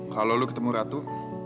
kalau lo ketemu ratu